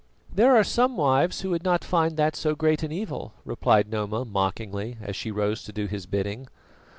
"There are some wives who would not find that so great an evil," replied Noma mockingly, as she rose to do his bidding.